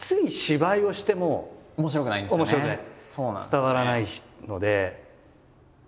伝わらないので。